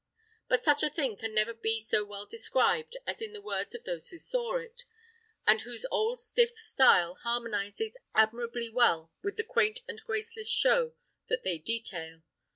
But such a thing can never be so well described as in the words of those who saw it, and whose old stiff style harmonises admirably well with the quaint and graceless show that they detail.